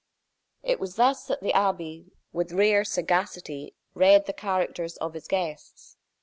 It was thus that the abbe, with rare sagacity, read the character of his guests.